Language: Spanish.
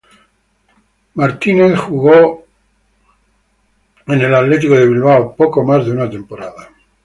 Wright jugó en los Raptors poco más de una temporada.